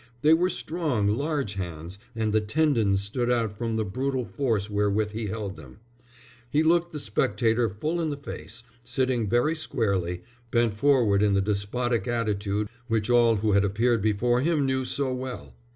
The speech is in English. They were strong, large hands, and the tendons stood out from the brutal force wherewith he held them. He looked the spectator full in the face, sitting very squarely, bent forward in the despotic attitude which all who had appeared before him knew so well.